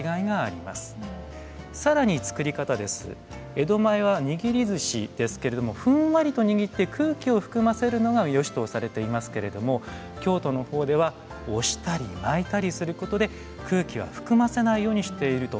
江戸前は握り寿司ですけれどもふんわりと握って空気を含ませるのがよしとされていますけれども京都のほうでは押したり巻いたりすることで空気は含ませないようにしていると。